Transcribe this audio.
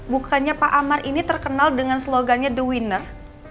bukannya pak amar ini terkenal dengan slogannya the winner